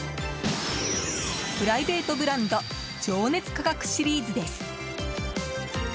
プライベートブランド情熱価格シリーズです。